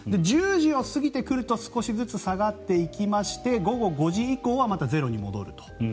１０時を過ぎてくると少しずつ下がっていきまして午後５時以降はまたゼロに戻ると。